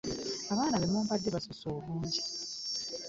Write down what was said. Abaana be mumpadde basusse obungi.